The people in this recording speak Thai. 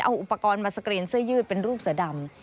เอาอุปกรณ์มาสกรีนเสื้อยืดเป็นรูปเสือดำ